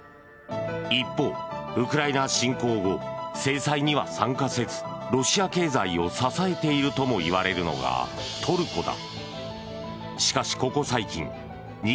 一方、ウクライナ侵攻後制裁には参加せずロシア経済を支えているともいわれるのがトルコだ。